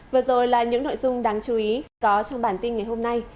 vừa rồi là những nội dung đáng chú ý có trong bản tin ngày hôm nay